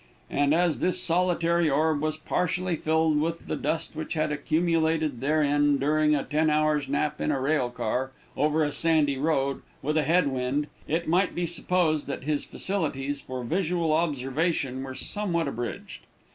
And as this solitary orb was partially filled with the dust which had accumulated therein, during a ten hours' nap in a rail car, over a sandy road, with a headwind, it might be supposed that his facilities for visual observation were somewhat abridged.